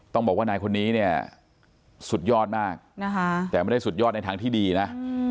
ต้องบอกว่านายคนนี้เนี่ยสุดยอดมากนะคะแต่ไม่ได้สุดยอดในทางที่ดีนะ